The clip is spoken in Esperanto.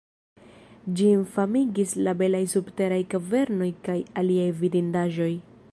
Ĝin famigis la belaj subteraj kavernoj kaj aliaj vidindaĵoj.